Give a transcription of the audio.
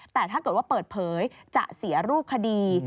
แต่ถ้าเกิดว่าเปิดเผยจะเสียรูปคดี